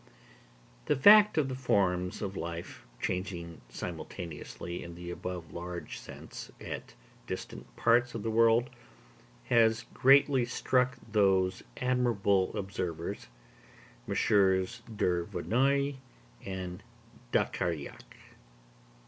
The fact of the forms of life changing simultaneously in the above large sense, at distant parts of the world, has greatly struck those admirable observers, MM. de Verneuil and d'Archiac.